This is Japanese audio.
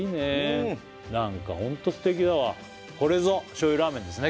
なんかホントすてきだわこれぞ醤油ラーメンですね